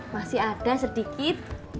masih ada sedikit